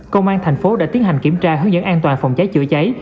công an thành phố đã tiến hành kiểm tra hướng dẫn an toàn phòng cháy chữa cháy